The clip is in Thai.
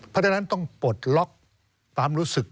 เพราะฉะนั้นต้องปลดล็อกความรู้สึก